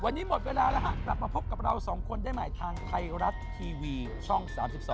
วันนี้หมดเวลาแล้วฮะกลับมาพบกับเราสองคนได้ใหม่ทางไทยรัฐทีวีช่อง๓๒